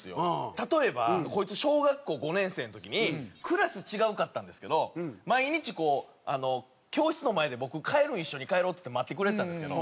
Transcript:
例えばこいつ小学校５年生の時にクラス違うかったんですけど毎日こう教室の前で僕帰るん一緒に帰ろうっつって待ってくれてたんですけど。